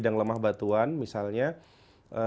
bagaimana dengan ini presidency atas kuchiyom